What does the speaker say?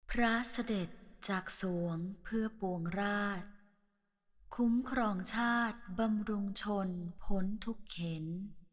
พระเสด็จจากสวงเพื่อปวงราชคุ้มครองชาติบำรุงชนพ้นทุกเข็น